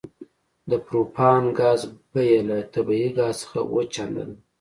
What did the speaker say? د پروپان ګاز بیه له طبیعي ګاز څخه اوه چنده ده